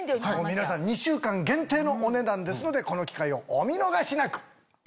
皆さん２週間限定のお値段ですのでこの機会をお見逃しなく！